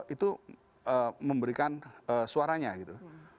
itu memberikan suaranya gitu